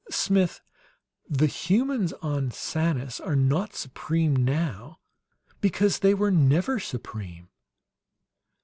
"Smith, the humans on Sanus are not supreme now because they were NEVER supreme."